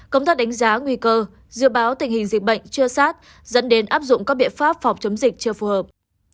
công tác đánh giá nguy cơ dự báo tình hình dịch bệnh chưa sát dẫn đến áp dụng các biện pháp phòng chống dịch chưa phù hợp